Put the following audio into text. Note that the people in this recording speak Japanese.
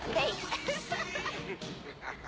アハハハ！